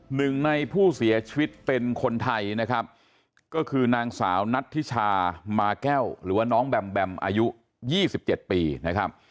หนึ่งในผู้เสียชีวิตเป็นคนไทยนะครับก็คือนางสาวนัทธิชามาแก้วหรือว่าน้องแบมแบมอายุ๒๗ปีนะครับ